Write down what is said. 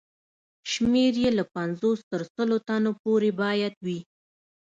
شمېر یې له پنځوس تر سلو تنو پورې باید وي.